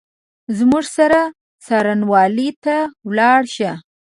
زموږ سره څارنوالۍ ته ولاړ شه !